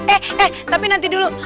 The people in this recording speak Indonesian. eh eh tapi nanti dulu